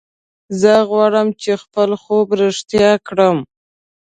زه غواړم چې خپل خوب رښتیا کړم